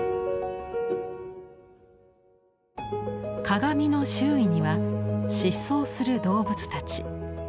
鏡の周囲には疾走する動物たち。